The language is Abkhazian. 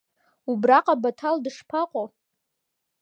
Убраҟа Баҭал дышԥаҟоу?